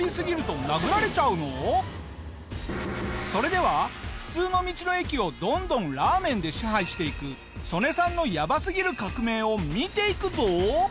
それでは普通の道の駅をどんどんラーメンで支配していくソネさんのやばすぎる革命を見ていくぞ。